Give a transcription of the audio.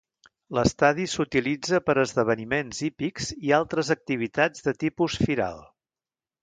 L'estadi s'utilitza per a esdeveniments hípics i altres activitats de tipus firal.